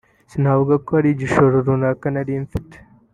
sinavuga ko hari igishoro runaka nari mfite